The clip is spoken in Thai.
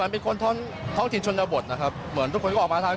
เป็นสูตรของที่ไหนยังไงบ้าง